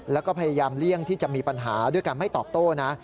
แล้วก็พยายามเลี่ยงที่จะมีปัญหาด้วยการไม่ตอบโต้นะ